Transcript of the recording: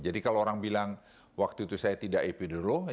jadi kalau orang bilang waktu itu saya tidak ep dulu ya berarti